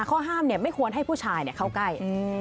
ข้อห้ามไม่ควรให้ผู้ชายเข้าใกล้